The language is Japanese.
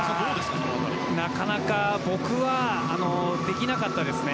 なかなか僕はできなかったですね。